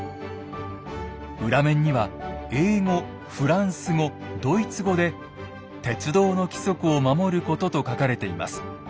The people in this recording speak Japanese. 裏面には英語・フランス語・ドイツ語で「鉄道の規則を守ること」と書かれています。